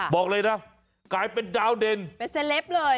บอกเลยนะกลายเป็นดาวเด่นเป็นเซลปเลย